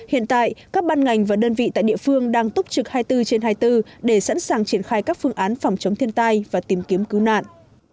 hiện tại các ban ngành và đơn vị tại địa phương đang túc trực hai mươi bốn trên hai mươi bốn để sẵn sàng triển khai các phương án phòng chống thiên tai và tìm kiếm cứu nạn